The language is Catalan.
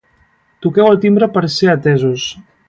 Toqueu el timbre per ser atesos